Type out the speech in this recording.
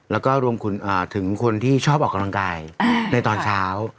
แล้วก็รวมถึงคนที่ชอบออกกำลังกายในตอนเช้า